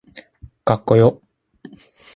かっこよ